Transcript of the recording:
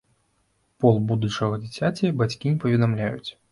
Пол будучага дзіцяці бацькі не паведамляюць.